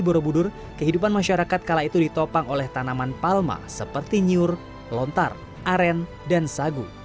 borobudur kehidupan masyarakat kala itu ditopang oleh tanaman palma seperti nyur lontar aren dan sagu